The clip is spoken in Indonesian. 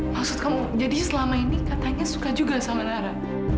maksud kamu jadi selama ini katanya suka juga sama nara